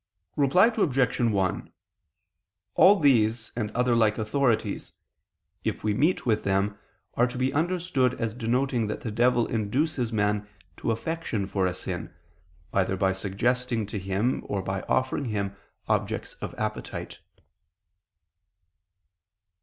Reply Obj. 1: All these, and other like authorities, if we meet with them, are to be understood as denoting that the devil induces man to affection for a sin, either by suggesting to him, or by offering him objects of appetite.